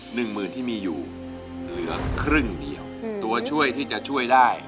หนึ่งหมื่นที่มีอยู่เหลือครึ่งเดียวตัวช่วยที่จะช่วยได้